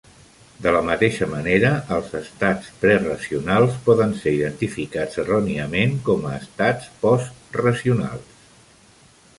De la mateixa manera, els estats preracionals poden ser identificats erròniament com a estats postracionals.